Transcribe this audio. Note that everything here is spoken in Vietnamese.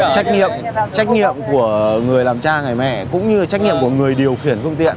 trách nhiệm trách nhiệm của người làm cha người mẹ cũng như trách nhiệm của người điều khiển phương tiện